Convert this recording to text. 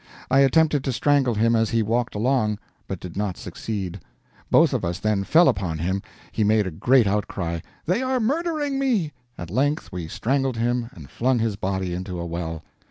I attempted to strangle him as he walked along, but did not succeed; both of us then fell upon him, he made a great outcry, 'They are murdering me!' at length we strangled him and flung his body into a well.